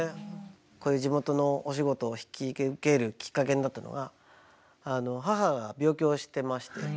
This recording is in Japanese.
こういう地元のお仕事を引き受けるきっかけになったのが母が病気をしてまして。